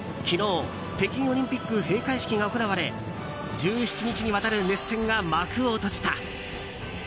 昨日、北京オリンピック閉会式が行われ１７日にわたる熱戦が幕を閉じた。